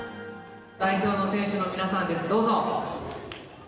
代表の選手の皆さんです。